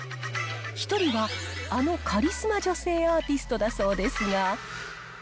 １人はあのカリスマ女性アーティストだそうですが。